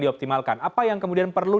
dioptimalkan apa yang kemudian perlu